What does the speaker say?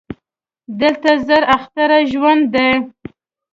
دلته زر اختره ژوند دی